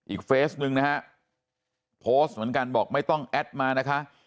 เฟสหนึ่งนะฮะโพสต์เหมือนกันบอกไม่ต้องแอดมานะคะ